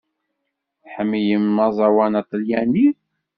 Tḥemmlem aẓawan aṭalyani?